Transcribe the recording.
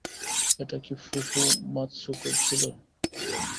এটা কি ফুফু মাতসুকোর ছিল?